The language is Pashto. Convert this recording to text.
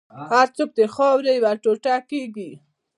هر څوک د خاورې یو ټوټه کېږي.